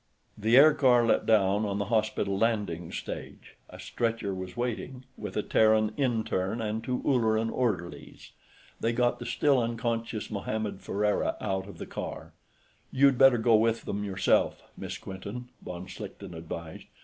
The aircar let down on the hospital landing stage. A stretcher was waiting, with a Terran interne and two Ulleran orderlies. They got the still unconscious Mohammed Ferriera out of the car. "You'd better go with them, yourself, Miss Quinton," von Schlichten advised.